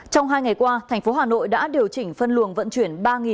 trong hai ngày qua tp hà nội đã điều chỉnh phân luồng vận chuyển